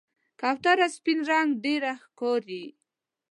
کوتره سپین رنګ ډېره ښکاري.